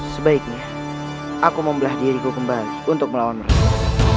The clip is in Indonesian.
sebaiknya aku membelah diriku kembali untuk melawan mereka